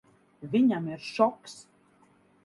Viņam ir šoks.